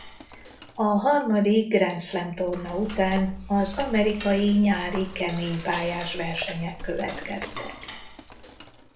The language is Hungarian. A harmadik Grand Slam-torna után az amerikai nyári kemény pályás versenyek következtek.